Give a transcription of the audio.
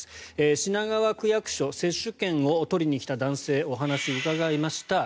品川区役所接種券を取りに来た男性にお話を伺いました。